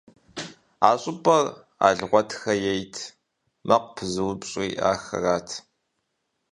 А щӏыпӏэр Алгъуэтхэ ейт, мэкъур пызыупщӏри ахэрат.